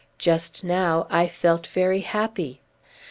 Just now, I felt very happy."